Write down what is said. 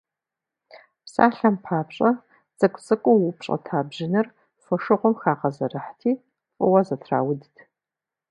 Псалъэм папщӏэ, цӏыкӏу-цӏыкӏуу упщӏэта бжьыныр фошыгъум хагъэзэрыхьти, фӏыуэ зэтраудт.